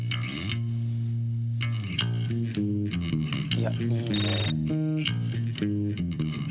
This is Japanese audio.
いやいいね。